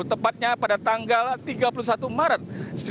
tepatnya pada tanggal tiga puluh satu maret seribu delapan ratus enam puluh enam